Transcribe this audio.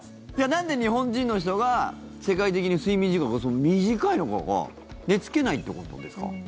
なんで日本人の人が世界的に睡眠時間が短いのかが寝付けないってことですか？